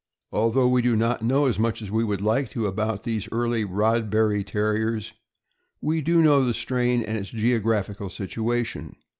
Although we do not know so much as we would like to know about these early Rodberry Terriers, we do know the strain and its geographical situation.